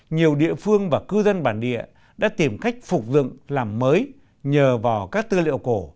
nhiều địa phương và cư dân bản địa đã tìm cách phục dựng làm mới nhờ vào các tư liệu cổ